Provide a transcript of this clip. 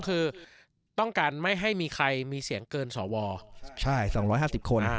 คือต้องการไม่ให้มีใครมีเสียงเกินสว๒๕๐คน